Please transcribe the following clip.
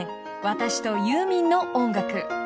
私とユーミンの音楽］